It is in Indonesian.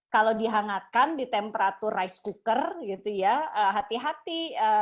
kalau dihangatkan di suhu kuker nasi hati hati